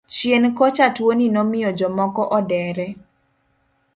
Chien kocha tuoni nomiyo jomoko odere.